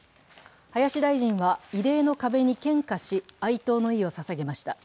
林大臣は慰霊の壁に献花し、哀悼の意をささげました。